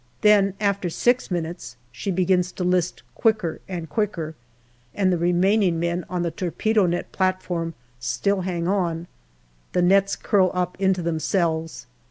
Then, after six minutes she begins to list quicker and quicker, and the remaining men on the torpedo net platform still hang on. The nets curl up into themselves.